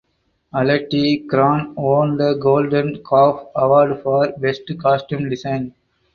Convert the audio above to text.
Alette Kraan won the Golden Calf award for Best Costume Design.